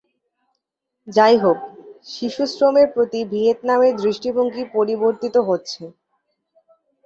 যাইহোক শিশুশ্রমের প্রতি ভিয়েতনামের দৃষ্টিভঙ্গি পরিবর্তীত হচ্ছে।